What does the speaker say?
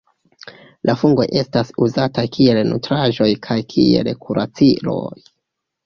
La fungoj estas uzataj kiel nutraĵoj kaj kiel kuraciloj.